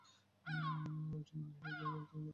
একজন নারী হিসেবে তিনি মূলত ইংল্যান্ডের নাগরিক।